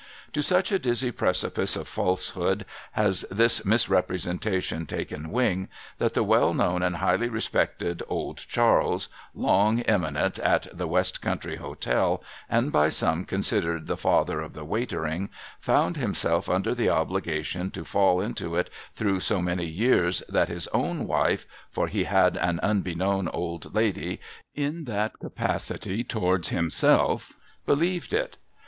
' To such a dizzy precipice of falsehood has this misrepresentation taken wing, that the well kno\\Ti and highly respected Old Charles, long eminent at the West Country Hotel, and by some considered the Father of the Waitering, found himself under the obligation to fall into it through so many years that his own wife (for he had an unbeknown old lady in that capacity towards himself) believed it